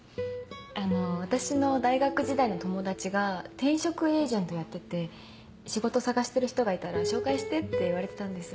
あの私の大学時代の友達が転職エージェントをやってて仕事探してる人がいたら紹介してって言われてたんです。